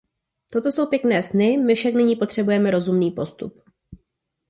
Toto jsou pěkné sny, my však nyní potřebujeme rozumný postup.